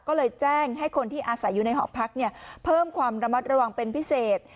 ก็เลยแจ้งให้คนที่อาศัยอยู่ในหอพักเพิ่มความระมัดระวังเป็นพิเศษ